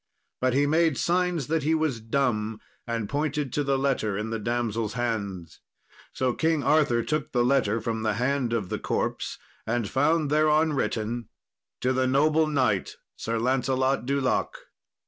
But he made signs that he was dumb, and pointed to the letter in the damsel's hands. So King Arthur took the letter from the hand of the corpse, and found thereon written, "To the noble knight, Sir Lancelot du Lake."